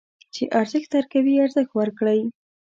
چې ارزښت درکوي، ارزښت ورکړئ.